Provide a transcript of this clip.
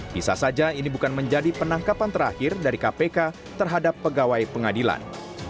bisa saja ini bukan menjadi penangkapan terakhir dari kpk terhadap pegawai pengadilan